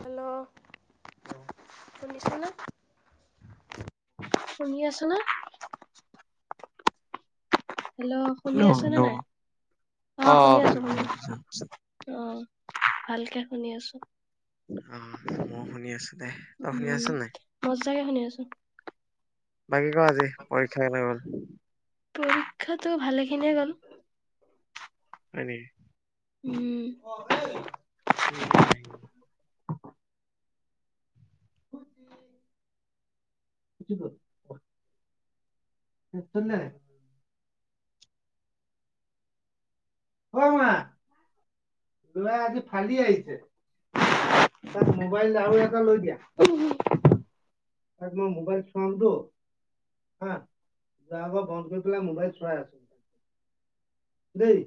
Hello! শুনিছনে? শুনি আছনে? হেল্ল'! শুনি আছনে নাই? অ', শুনি আছো, শুনিছো শুনি আছো। শুনিছো শুনিছো। অ', ভালকে শুনি আছো। উ, মই শুনি আছো দে। তই উ, শুনি আছ নাই? মজাকে শুনি আছো। বাকী ক' আজি, পৰীক্ষা কেনে গ'ল। পৰীক্ষাটো, ভালে খিনিয়ে গ'ল। হয় নিকি। উ। [unintelligible] উ, নাই। [unintelligible] টিচন নাই? অই, [unintelligible] লৰাই আজি ফালি আহিছে। তাক মোবাইল আৰু এটা লৈ দিয়া, তাক মই মবাইল সোন্টো আহ। [unintelligible] ঘৰত গৈ পেলাই মোবাইল চোৱাই আছো। দেই।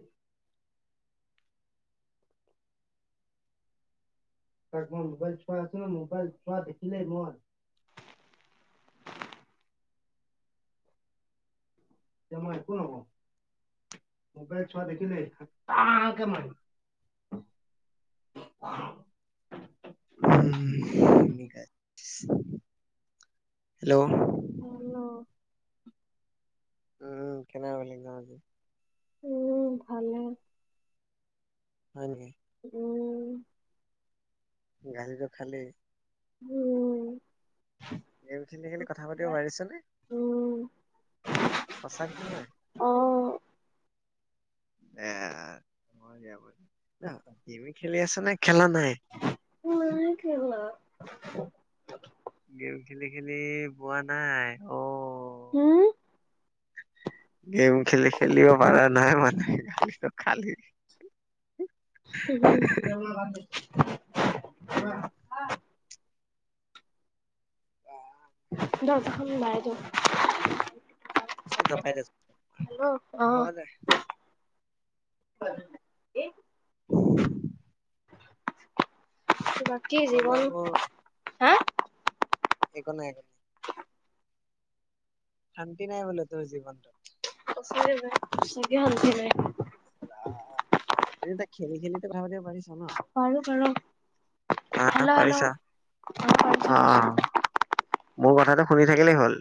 তাক মই মোবাইল চোৱাই আছো নহয়। মোবাইল চোৱা দেখিলেই মই। এতিয়া মই একো নকওঁ। মোবাইল চোৱা দেখিলেই ফাটাৰকে মাৰিম। [unintelligible] Hello um, hello! [unintelligible] মোৰ ভালে। হয় নিকি। উ। গালিটো খালি? উ। গ উঠিলি মেলি কথা পাতিব পাৰিছনে? সঁচাকে নাই? এ গম খেলি আছ' নে খেলা নাই? নাই খেলা। [inaudible] গেম খেলি খেলি বোৱা নাই অ'। উম। গেম খেলি খেলিব পাৰা নাই মানে গালি খালি। [inaudible] এ [inaudible] অ'। [unintelligible] জপাই দে হেল্ল' হ'ব দে অহ। [inaudible] বাকী জীৱন অলপো হা একো নাই। শান্তি নাই বোলো তোৰ জীৱনটোত। সঁচাকে ভাই, সঁচাকে শান্তি নাই। এনে তাক খেলি খেলি কথা পাতিব পাৰিছ ন'। পাৰোঁ, পাৰোঁ। পাৰিছ' পাৰিছো অ', পাৰিছো অ'। মোৰ কথাটো শুনি থাকিলেই হ'ল।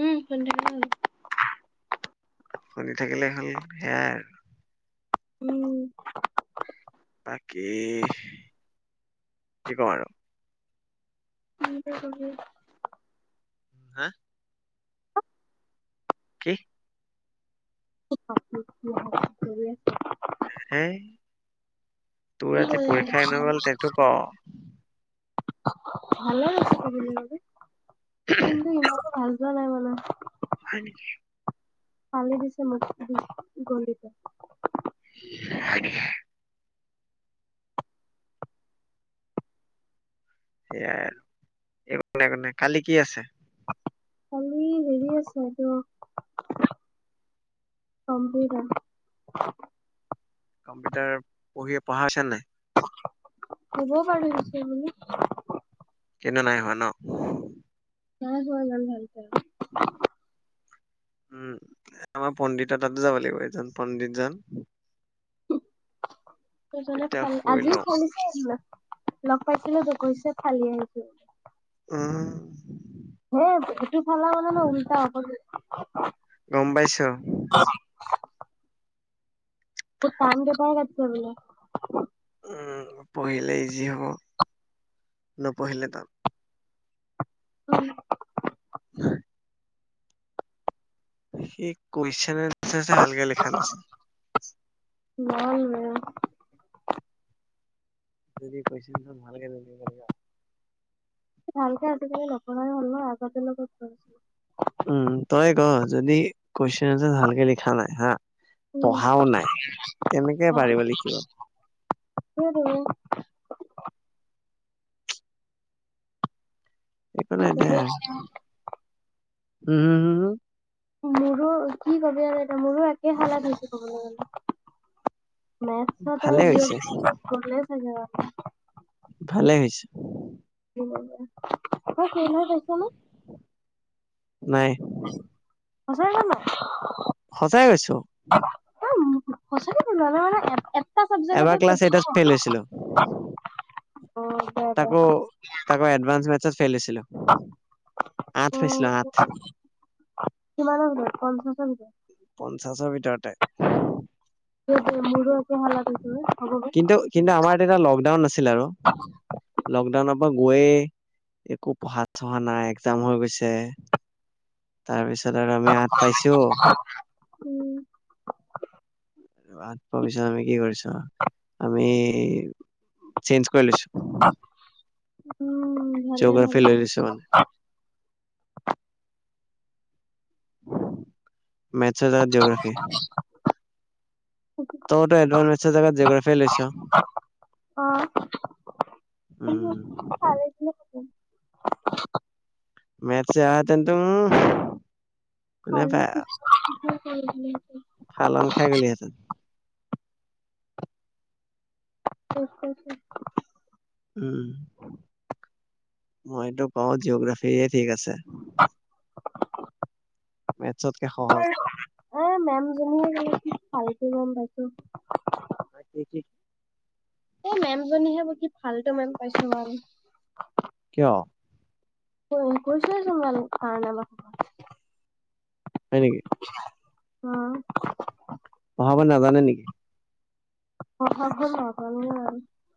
উম [unintelligible] শুনি থাকিলে হ'ল সেয়াই আৰু। উম। বাকী কি কম আৰু? [unintelligible] হা? কি? [unintelligible] হেই, তোৰ ভালে আজি পৰীক্ষা এনে গ'ল তেটো ক'। ভালৰ আছে ক'বলৈ গ'লে কিন্তু ইমান ভাল যোৱা নাই ৰ'বা। হয় নেকি। ফালি দিছে মোক আজি গণিতে। হয় নেকি। এয়া একো নাই, একো নাই, কালি কি আছে? কালি হেৰি আছে এইটো কম্পিউটাৰ। কম্পিউটাৰ পঢ়িয়ে পঢ়া হৈছে নে নাই? হ'ব বাৰু সেইখিনি। কিন্তু নাই হোৱা ন'। নাই হোৱা ইমান ভালকে। উম, আমাৰ পণ্ডিতৰ তাতো যাব লাগিব এজন পণ্ডিতজন। [unintelligible] আজিও এতিয়া ফাল শুই আজিও লওঁ, শুনিছোক লগ পাইছিলোঁ ত কৈছে ফালি আহিছো। উম। হে এইটো ফালা মানে ন' উল্টা আকল গম পাইছ? [unintelligible] বহুত টানকে পঢ়াই তাত বোলে। উম পঢ়িলে ইজি হ'ব, নপঢ়িলে তান। উম। [inaudible] সি কুৱেশন আঞ্চাৰ্চে ভালকে লিখা নাছিল। গল বেয়া। যদি কোৱেশন [inaudible] সি ভালকে আজিকালি নপঢ়াই হল ন, আগতেনো কত পঢ়িছিলে। উম তই ক যদি কুৱেশন আঞ্চাৰ্চ ভালকে লিখা নাই হা পঢ়াও নাই কেনেকে পাৰিব লিখিব? [unintelligible] একো নাই কি দে আৰ, কৰিছে উম্ হম হম হম? মোৰো কি কবি আৰু এটা মোৰো একে হালাত হৈছে কবলৈ গলে। মেথচত ভালে আৰু হৈছে, জিঅ'গ্ৰাফিক [unintelligible] গলে চাগে ভালে হৈছে। [inaudible] পাইছ নে? নাই। সঁচাকে ক না। সঁচাই কৈছো। সচাকে [unintelligible] এটা এবাৰ চাবজেক্টটো ক্লাছ এইটত ফেইল হৈছিলো। [inaudible] অঁ। তাকো তাকো এডভাঞ্চ মেথচত ফেল হৈছিলো। অঁ আঠ পাইছিলো আঠ কিমানৰ ভিতৰত পঞ্চাশৰ ভিতৰত? পঞ্চাশৰ ভিতৰতে। [unintelligible] মোৰো একেই হালত [unintelligible] হব বে। কিন্তু কিন্তু আমাৰ তেতিয়া লকডাউন আছিলে আৰু, লকডাউনৰ পৰা গৈ একো পঢ়া চহা নাই, একজাম হৈ গৈছে। তাৰপিছত আৰু আমি আঠ পাইছো [unintelligible] আত পোৱাৰ পিছত আমি কি কৰিছ, আমি চেঞ্জ কৰি লৈছো। উম' ভালে জিঅ'গ্ৰাফি ভালে। লৈ লৈছো মানে মেথছেযা জিয়োগ্ৰাফী তইটো এডভান্স মেথৰ জেগাত জিয়োগ্ৰাফী য়ে লৈছ। অঁ। উম। [unintelligible] মেথচে আহতে তুম [unintelligible] খালী কৰি [unintelligible] ফালন খায় গলি হেঁতেন। [unintelligible] উম, মইটো কওঁ জিঅ'গ্ৰাফিয়ে ঠিক আছে। [inaudible] মেথছতকে সহজ। এ মেম জনীয়ে মানে কি ফাল্টু মেম পাইছোঁ। [unintelligible] এই মেম জনীহে বোলো কি ফাল্টুটো মেম পাইছো মেম। কিয়? [unintelligible] হয় নেকি। উম'। পঢ়াব নাজানে নেকি? পঢ়াব নাজানে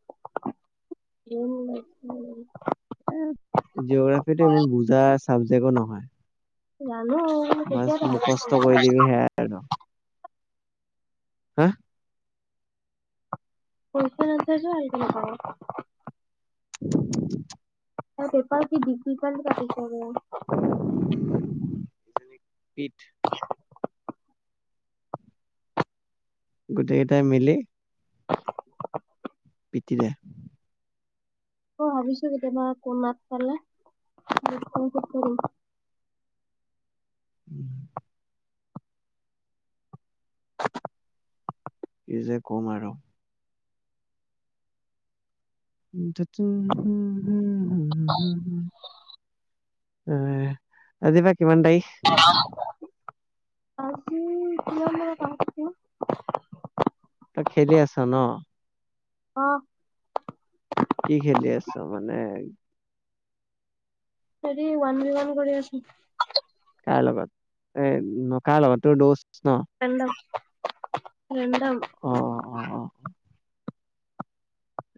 [unintelligible] এ জিঅ'গ্ৰাফি টো ইমান বুজা চাবজেক্টো নহয়। জানো'- বচ কেতিয়া কুৱেশন মুখস্থ কৰি দিবি সেয়াই আৰু। হা? পইচা [unintelligible] [inaudible] আৰু পেপাৰ কি ডিফিকাল্ট কাটিছে [unintelligible] [unintelligible] গোটেই কেইটাই মিলি- [unintelligible] পিতিলে। মই ভাবিছো কিন্তু [unintelligible] উমঁ'। কি যে ক'ম আৰু। [unintelligible] এ আজি বা কিমান তাৰিখ। আজি এতিয়া [unintelligible] তই খেলি আছ ন? অ কি খেলি আছ মানে? সেৰি ওৱান ভি ওৱান কৰি আছোঁ। কাৰ লগত এ ন কাৰ লগত তো দচ ন'? অ [unintelligible] অ অ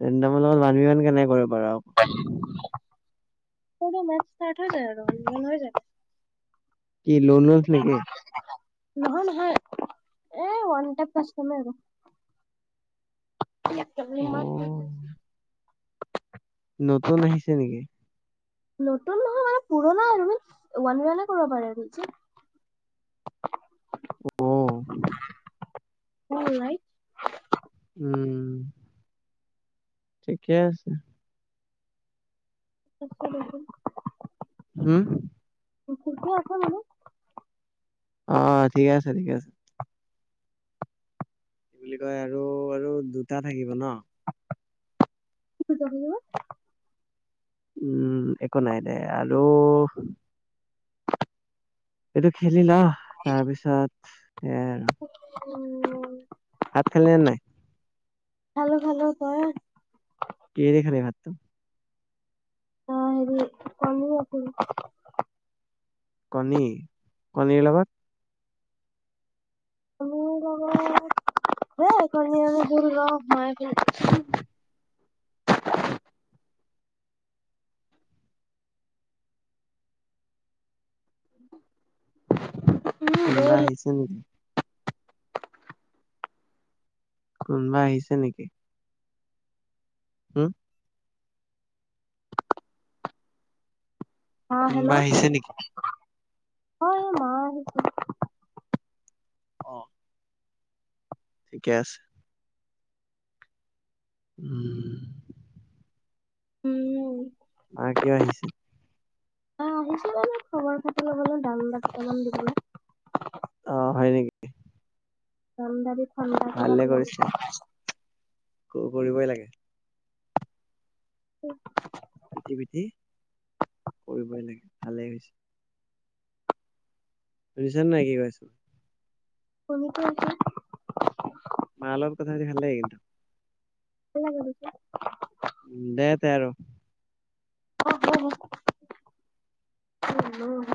ৰেন্দমৰ লগত ওৱান ভি ওৱান কেনেকে কৰিব পাৰ আক। [unintelligible] যায় আৰু হৈ যায়। কি লোন ৱলফ নেকি নহয় নহয়, এই ওৱান টাইপ কাছতম আৰু। অ [unintelligible] নতুন আহিছে নেকি? নতুন নহয় মানে পুৰণা আৰু ওৱান ভি ওৱানে কৰিব পাৰে আৰু। [unintelligible] অঁ। [unintelligible] উমঁ। ঠিকে আছে। [unintelligible] হুম? কু্কুৰা আছে বোলো। অঁ' ঠিকে আছে ঠিকে আছে। কি বুলি কয়, আৰু আৰু দুটা থাকিব ন? [unintelligible] উম, একো নাই দে আৰু এইটো খেলি ল, তাৰপিছত সেয়াই আৰু। উম। ভাত খালি নে নাই? খালো খালো। তই? কিহেদি খালি ভাতটো? অ' হেৰি পনীৰ আছিল। কণী, কণীৰ লগত? [unintelligible] উম কোনোবা জোল আহিছে নেকি? কোনোবা আহিছে নেকি? হুম? অ' কোনোবা হেল্লৌ! আহিছে নেকি অ' মা আহিছিল। অ'। ঠিকে আছে। [inaudible] উমম। মায় কিয় আহিছে? অ' আহিছিল এনেই খবৰ-খাতি লবলৈ দাংবদি কেদাল মান দিবলে। অ' হয় নেকি? ভালে কৰিছা [unintelligible] ক কৰিবই লাগে। উম। পিতি-পিতি, কৰিবই লাগে ভালেই হৈছে। শুনিছানে নাই কি কৈ আছো? [unintelligible] মাৰ লগত কথা পাতি ভালে লাগে কিন্তু। [unintelligible] উম, দে তে' আৰু। [unintelligible]